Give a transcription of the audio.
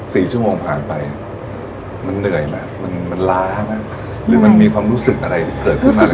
สี่ชั่วโมงผ่านไปมันเหนื่อยไหมมันมันล้าไหมหรือมันมีความรู้สึกอะไรเกิดขึ้นมาเลย